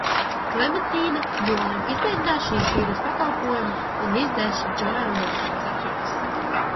Klementīne nolemj izmēģināt šīs firmas pakalpojumu un izdzēst Džoelu no savas atmiņas.